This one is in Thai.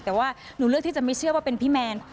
แต่ว่าหนูเลือกที่จะไม่เชื่อว่าเป็นพี่แมน